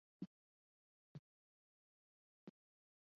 朱高炽遣人驰谕立即发廪赈贷。